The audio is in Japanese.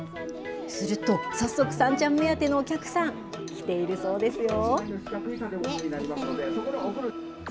すると早速、さんちゃん目当てのお客さん、来ているそうですよ。